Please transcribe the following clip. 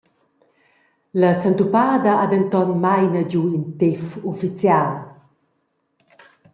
La sentupada ha denton maina giu in tef ufficial.